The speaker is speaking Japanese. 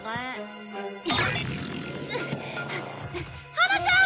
ハナちゃん！